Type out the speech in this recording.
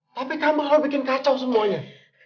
tapi kamu selalu bikin kacau semuanya